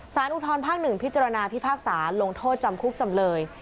อุทธรภาค๑พิจารณาพิพากษาลงโทษจำคุกจำเลย